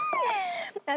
私